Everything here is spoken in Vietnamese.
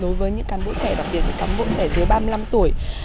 đối với những cán bộ trẻ đặc biệt là cán bộ trẻ dưới ba mươi năm tuổi